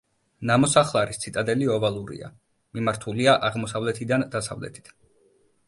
ნამოსახლარის ციტადელი ოვალურია, მიმართულია აღმოსავლეთიდან დასავლეთით.